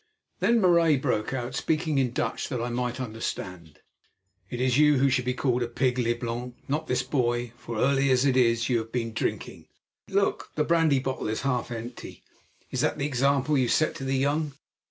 Then Marais broke out, speaking in Dutch that I might understand: "It is you who should be called pig, Leblanc, not this boy, for, early as it is, you have been drinking. Look! the brandy bottle is half empty. Is that the example you set to the young?